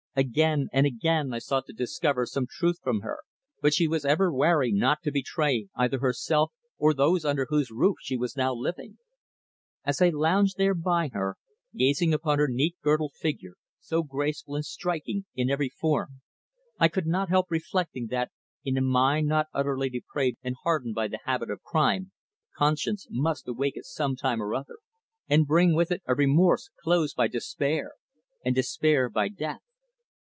Again and again I sought to discover some truth from her, but she was ever wary not to betray either herself or those under whose roof she was now living. As I lounged there by her, gazing upon her neat girdled figure, so graceful and striking in every form, I could not help reflecting that, in a mind not utterly depraved and hardened by the habit of crime, conscience must awake at some time or other, and bring with it a remorse closed by despair, and despair by death.